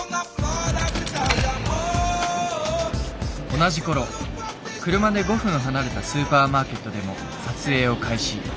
同じころ車で５分離れたスーパーマーケットでも撮影を開始。